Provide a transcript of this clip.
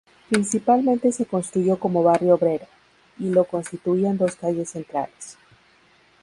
Principalmente se construyó como barrio obrero,y lo constituían dos calle centrales.